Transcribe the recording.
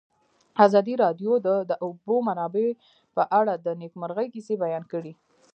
ازادي راډیو د د اوبو منابع په اړه د نېکمرغۍ کیسې بیان کړې.